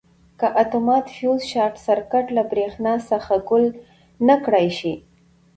که اتومات فیوز شارټ سرکټ له برېښنا څخه ګل نه کړای شي.